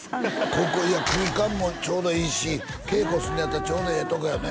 ここ空間もちょうどいいし稽古すんのやったらちょうどええとこやね